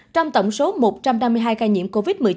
trong tổng số một trăm năm mươi hai ca nhiễm covid một mươi chín